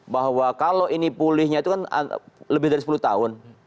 bahwa kalau ini pulihnya itu kan lebih dari sepuluh tahun